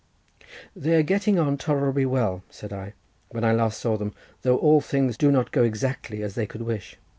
"They were getting on tolerably well," said I, "when I last saw them, though all things do not go exactly as they could wish."